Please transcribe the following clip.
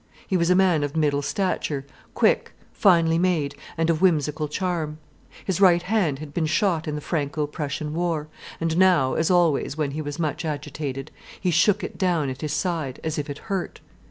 He was a man of middle stature, quick, finely made, and of whimsical charm. His right hand had been shot in the Franco Prussian war, and now, as always when he was much agitated, he shook it down at his side, as if it hurt.